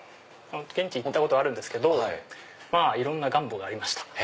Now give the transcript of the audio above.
現地行ったことあるんですけどいろんなガンボがありました。